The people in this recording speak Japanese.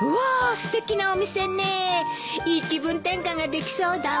すてきなお店ねいい気分転換ができそうだわ。